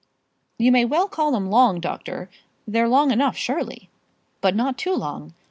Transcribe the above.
"You may well call them long, doctor. They're long enough surely." "But not too long.